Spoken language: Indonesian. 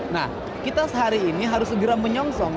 nah kita sehari ini harus segera menyongsong